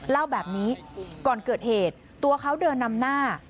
เล่าแบบนี้ก่อนเกิดเหตุตัวเขาเดินนำหน้า